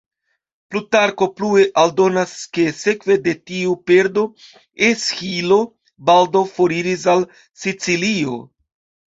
Plutarko plue aldonas ke sekve de tiu perdo Esĥilo baldaŭ foriris al Sicilio.